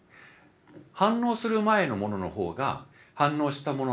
反応する前のもののほうが反応したもの